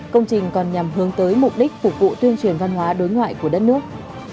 công trình còn nhằm hướng tới mục đích phục vụ tuyên truyền văn hóa đối ngoại của đất nước